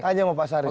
tanya sama pak sarif